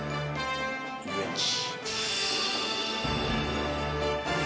遊園地。